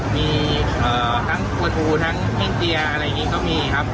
มีทั้งควสูทู่ทั้งเฮ่งจียะอะไรอย่างนี้มีครับ